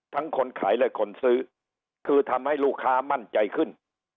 คนขายและคนซื้อคือทำให้ลูกค้ามั่นใจขึ้น